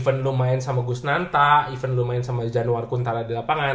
even lumayan sama gusnanta even lumayan sama januarkun tarah di lapangan